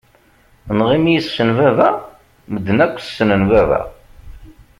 Neɣ imi yessen baba? Medden akk snen baba.